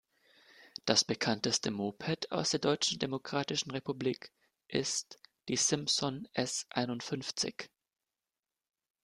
Das bekannteste Moped aus der Deutschen Demokratischen Republik ist die Simson S einundfünfzig.